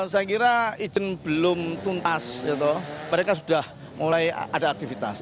saya kira izin belum tuntas mereka sudah mulai ada aktivitas